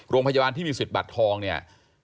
โรงพยาบาลที่มีสิทธิ์บัตรทองเนี่ย